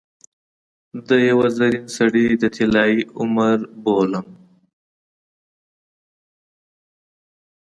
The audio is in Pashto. د یوه زرین سړي د طلايي عمر بولم.